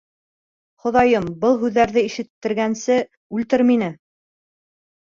Хоҙайым, был һүҙҙәрҙе ишеттергәнсе, үлтер мине!